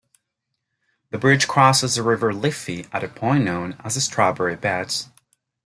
The bridge crosses the River Liffey at a point known as the Strawberry Beds.